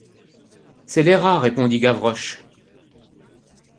C'est les rats, répondit Gavroche.